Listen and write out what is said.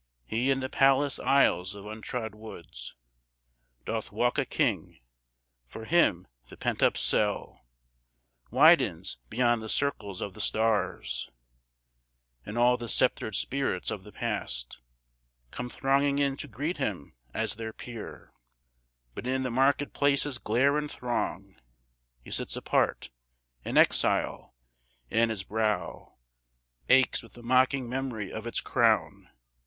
He in the palace aisles of untrod woods Doth walk a king; for him the pent up cell Widens beyond the circles of the stars, And all the sceptred spirits of the past Come thronging in to greet him as their peer; But in the market place's glare and throng He sits apart, an exile, and his brow Aches with the mocking memory of its crown.